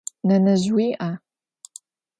Nenezj vui'a?